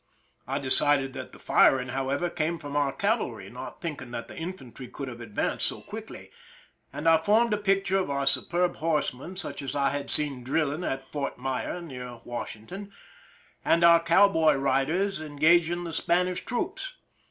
I decided that the firing, however, came from our cavalry, not thinking that the infantry could have advanced so quickly, and I formed a picture of our superb horsemen, such as I had seen drilling at Fort Myer, near Washington, and our cow boy riders engaging the Spanish troops.